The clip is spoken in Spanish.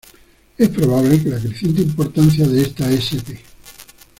Es probable que la creciente importancia de esta sp.